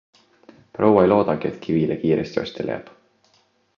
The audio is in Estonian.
Proua ei loodagi, et kivile kiiresti ostja leiab.